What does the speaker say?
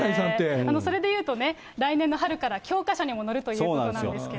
それでいうとね、来年の春から教科書にも載るということなんですけど。